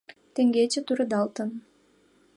«Теҥгече тӱредалтын: